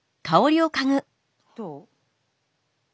どう？